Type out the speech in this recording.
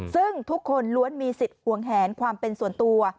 ซึ่งทุกคนล้วนมีสิทธิ์ห่วงแหนความเป็นส่วนตัว